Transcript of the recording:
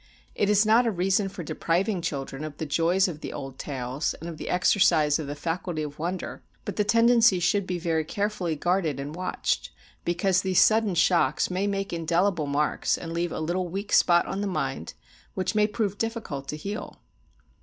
It is not a reason for depriving children of the joys of the old tales and the exercise of the faculty of wonder; but the tendency should be very carefully guarded and watched, because these sudden shocks may make indelible marks, and leave a little weak spot in the mind which may prove difficult to heal.